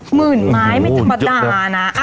หมื่นไม้ไม่จำดานะ